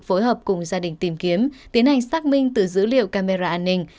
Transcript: phối hợp cùng gia đình tìm kiếm tiến hành xác minh từ dữ liệu camera an ninh